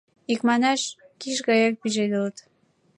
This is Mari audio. Икманаш, киш гаяк пижедылыт.